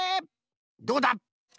どうだ？